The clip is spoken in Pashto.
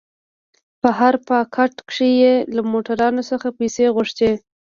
په هر پاټک کښې يې له موټروان څخه پيسې غوښتې.